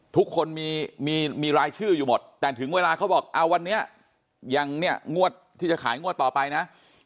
ทุกคนมีรายชื่ออยู่หมดแต่ถึงเวลาเขาบอกวันนี้ที่จะขายงวดต่อไปนะ